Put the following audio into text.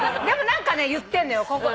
でも何かね言ってんのよ。